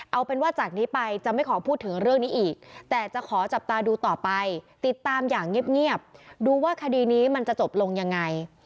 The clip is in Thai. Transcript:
เอาเป็นว่าจากนี้ไปจะไม่ขอพูดถึงเรื่องนี้อีกแต่จะขอจับตาดูต่อไปติดตามอย่างเงียบดูว่าคดีนี้มันจะจบลงยังไง